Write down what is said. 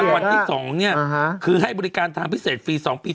วันที่๒เนี่ยคือให้บริการทางพิเศษฟรี๒ปี